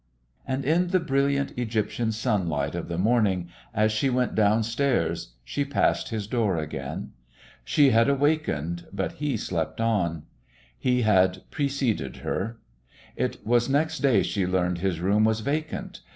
And in the brilliant Egyptian sunlight of the morning, as she went downstairs, she passed his door again. She had awakened, but he slept on. He had preceded her. It was next day she learned his room was vacant....